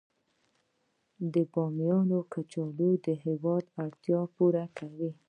د بامیان کچالو د هیواد اړتیا پوره کوي